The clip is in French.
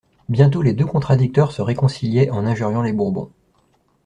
Bientôt les deux contradicteurs se réconciliaient en injuriant les Bourbons.